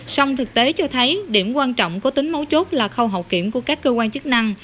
sông thực tế cho thấy điểm quan trọng có tính mấu chốt là khâu hậu kiểm của các cơ quan chức năng